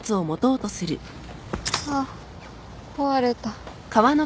あっ壊れた。